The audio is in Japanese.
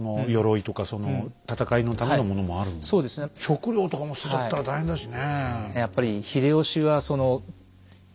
食料とかも捨てちゃったら大変だしね。